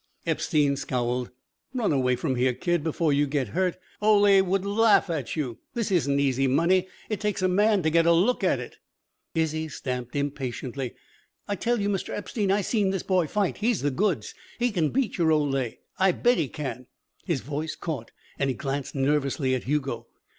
Epstein scowled. "Run away from here, kid, before you get hurt. Ole would laugh at you. This isn't easy money. It takes a man to get a look at it." Izzie stamped impatiently. "I tell you, Mr. Epstein, I seen this boy fight. He's the goods. He can beat your Ole. I bet he can." His voice caught and he glanced nervously at Hugo.